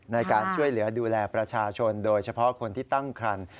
ในการช่วยเหลือดูแลประชาชนโดยเฉพาะคนที่ตั้งคัน